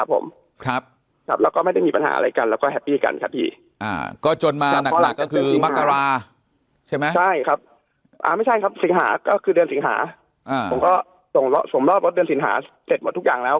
ผมก็สวมรอบว่าเดือนสิงหาเสร็จหมดทุกอย่างแล้ว